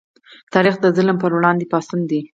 تاریخ د ظلم پر وړاندې پاڅون دی.